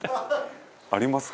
齊藤：ありますか？